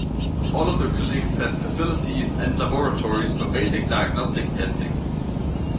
All of the clinics have facilities and laboratories for basic diagnostic testing.